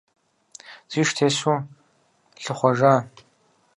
Зиш тесу лъыхъуэжа.